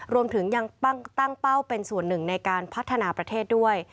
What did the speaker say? รวมถึงยังตั้งเป้าเป็นส่วนหนึ่งในการพัฒนาประเทศด้วย